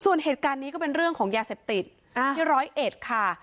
ส่วนเหตุการณ์นี้ก็เป็นเรื่องของยาเสพติดที่ร้อยเอ็ดค่ะ